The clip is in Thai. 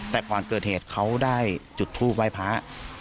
แต่ความเกิดเหตุเขาได้จุดทูปไฟพ้า